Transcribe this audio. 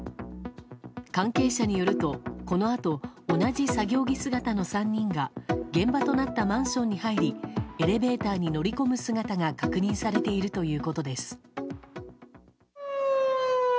関係者によると、このあと同じ作業着姿の３人が現場となったマンションに入りエレベーターに乗り込む姿が確認されているということです。